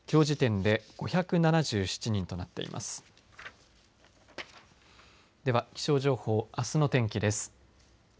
では気象情報あすの天気です。